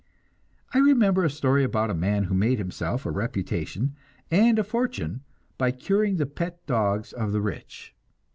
I remember a story about a man who made himself a reputation and a fortune by curing the pet dogs of the rich.